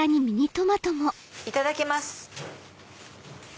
いただきます。